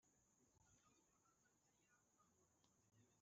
babwira umwami ko cyubahiroYabuze